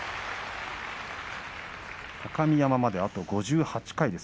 高見山まであと５８回です。